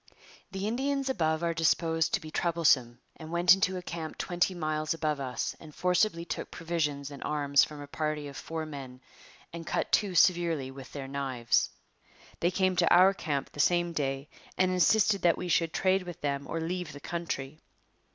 The Indians above are disposed to be troublesome and went into a camp twenty miles above us and forcibly took provisions and arms from a party of four men and cut two severely with their knives. They came to our camp the same day and insisted that we should trade with them or leave the country.